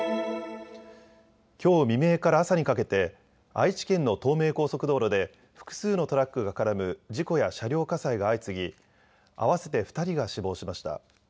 きょう未明から朝にかけて愛知県の東名高速道路で複数のトラックが絡む事故や車両火災が相次ぎ、合わせて２人が死亡しました。